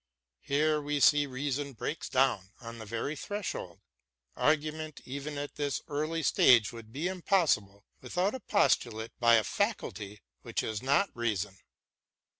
Here, we see, reason breaks down on the very threshold ; argument even at this early stage would be impossible without a postulate by a faculty which is not reason.